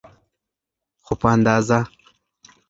خو په اندازه.